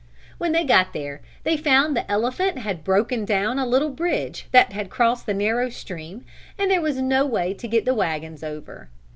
When they got there, they found the elephant had broken down a little bridge that crossed the narrow stream and there was no way to get the wagons over.